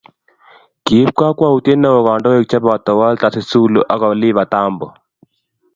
kiib kakwoutie neoo kandoik cheboto Walter Sisulu ak Oliver Tambo